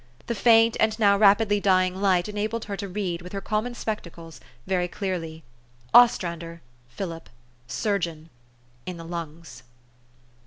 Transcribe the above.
The faint and now rapidly dying light enabled her to read, with her common spectacles, very clearly, " Ostrander, Philip, surgeon: in the lungs."